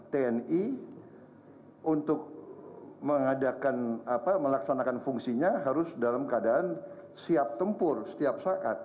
tni untuk melaksanakan fungsinya harus dalam keadaan siap tempur setiap saat